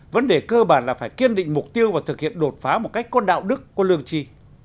vấn đề cơ bản là phải kiên định mục tiêu và thực hiện đột phá một cách có đạo đức có lương tri